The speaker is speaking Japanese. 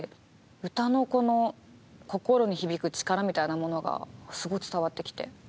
歌のこの心に響く力みたいなものがすごい伝わってきて。